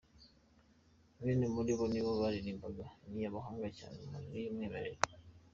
Bane muri bo ni bo baririmbaga, ni abahanga cyane mu majwi y'umwimerere.